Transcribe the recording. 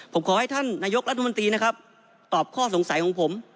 ผมขอให้ท่านนายกรัฐมนตรีนะครับตอบข้อสงสัยของผม